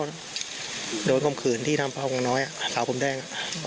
เทอมโดนคลมขื่นที่ทำพระองค์น้อยเยี่ยงดรน้อยสาวกลมแดง